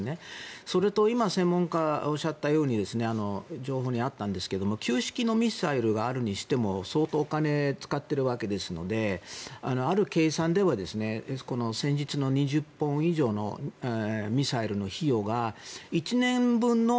それと今、専門家がおっしゃった情報にあったんですが旧式のミサイルがあるにしても相当、お金を使っているわけですのである計算ではこの先日の２０本以上のミサイルの費用が１年分の